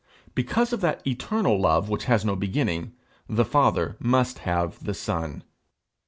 Because of that eternal love which has no beginning, the Father must have the Son.